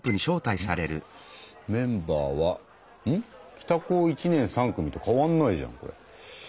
「北高１年３組」と変わんないじゃんこれ。